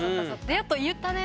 「やっと言ったね」